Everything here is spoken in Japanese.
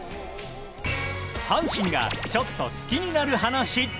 阪神がちょっと好きになる話。